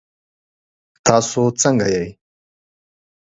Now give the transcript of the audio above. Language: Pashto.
تاسو ځنګه يئ؟